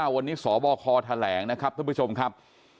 วันนี้สบคแถลงนะครับท่านผู้ชมครับ